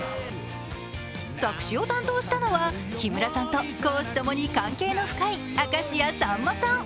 作詞を担当したのは木村さんと公私ともに関係の深い明石家さんまさん。